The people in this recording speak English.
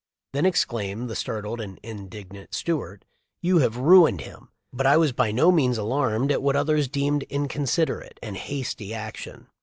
"Then," exclaimed the startled and indignant Stuart, "you have ruined him." But I was by no means alarmed at what others deemed inconsiderate and hasty action.